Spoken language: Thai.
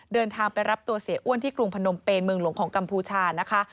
เดินทางไปรับตัวเสียอ้วนที่กรุงพนมเป็นเมืองหลวงของกัมพูชานะคะ